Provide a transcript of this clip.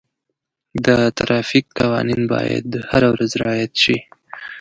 د ټرافیک قوانین باید هره ورځ رعایت شي.